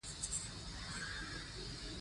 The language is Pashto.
د افغانستان جغرافیه کې وادي ستر اهمیت لري.